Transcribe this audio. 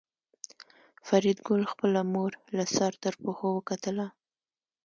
فریدګل خپله مور له سر تر پښو وکتله